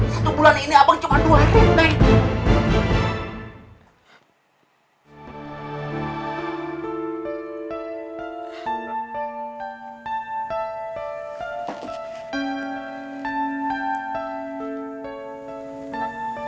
satu bulan ini abang cuma dua huy di neng